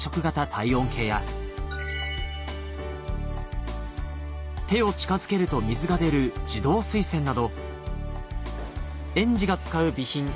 型体温計や手を近づけると水が出る自動水栓など園児が使う備品